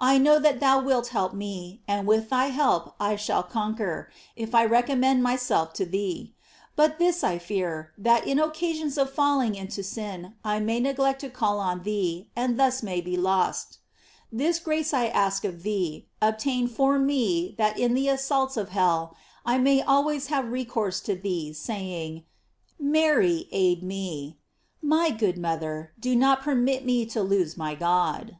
I know that thou wilt help me, and with thy help I shall conquer, if I recommend myself to theej 766 GLORIES OF MAKY. but this I fear, that in occasions of falling into •in, I may neglect to call on thee, and thus may be lost. This grace I ask of thee, obtain forme that in the assaults of hell, I may always have recourse to thee, saying: Mary, aid me. My good mother, do not permit me to lose my God.